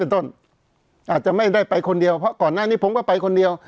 อาจจะไม่ได้ไปคนเดียวเพราะก่อนหน้านี้ผมก็ไปคนเดียว